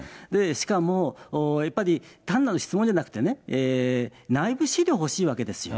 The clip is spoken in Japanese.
しかも、やっぱり単なる質問じゃなくて、内部資料が欲しいわけですよ。